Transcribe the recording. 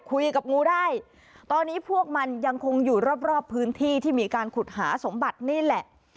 คุยกับงูได้ตอนนี้พวกมันยังคงอยู่รอบรอบพื้นที่ที่มีการขุดหาสมบัตินี่แหละ